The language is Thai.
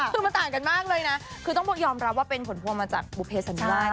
คือมันต่างกันมากเลยนะคือต้องยอมรับว่าเป็นผลพวงมาจากบุเภสันนิวาส